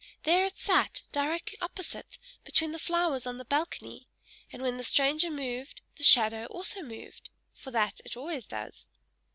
there it sat, directly opposite, between the flowers on the balcony; and when the stranger moved, the shadow also moved: for that it always does.